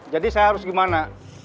jadi saya harus gimana